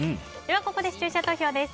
ここで視聴者投票です。